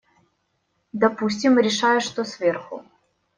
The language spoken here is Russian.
Допустим, решаю, что сверху.